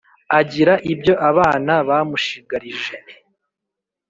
Agira ibyo abana bamushigarije